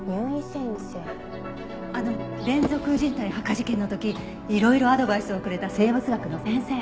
あの連続人体発火事件の時いろいろアドバイスをくれた生物学の先生。